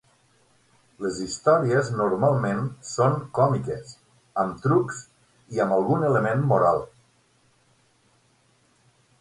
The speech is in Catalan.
Les històries normalment són còmiques, amb trucs i amb algun element moral.